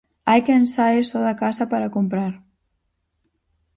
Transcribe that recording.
Hai quen sae só da casa para comprar.